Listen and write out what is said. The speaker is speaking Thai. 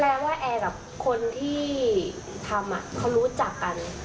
ว่าแอร์กับคนที่ทำเขารู้จักกัน